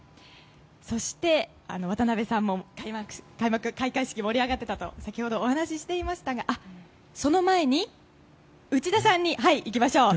そして、渡辺さんも開会式が盛り上がっていたと先ほどお話ししていましたがその前に内田さんに行きましょう。